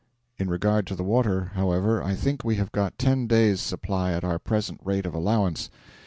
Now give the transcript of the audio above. In regard to the water, however, I think we have got ten days' supply at our present rate of allowance.